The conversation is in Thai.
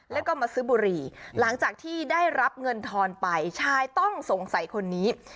แล้วก็มาซื้อบุหรี่หลังจากที่ได้รับเงินทอนไปชายต้องสงสัยคนนี้